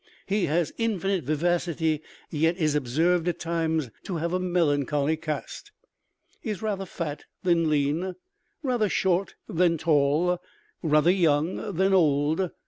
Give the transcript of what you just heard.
He has infinite vivacity, yet is observed at times to have a melancholy cast. He is rather fat than lean, rather short than tall, rather young than old.